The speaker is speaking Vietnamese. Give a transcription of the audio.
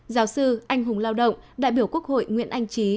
giáo sư anh hùng lao động đại biểu quốc hội nguyễn anh trí